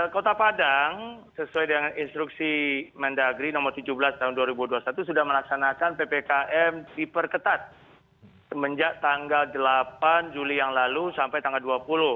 kota padang sesuai dengan instruksi mendagri nomor tujuh belas tahun dua ribu dua puluh satu sudah melaksanakan ppkm diperketat semenjak tanggal delapan juli yang lalu sampai tanggal dua puluh